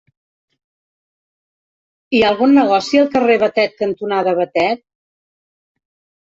Hi ha algun negoci al carrer Batet cantonada Batet?